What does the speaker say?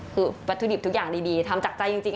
คือวัตถุดิบทุกอย่างดีทำจากใจจริง